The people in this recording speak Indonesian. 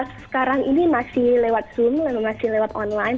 sekarang ini masih lewat zoom memang masih lewat online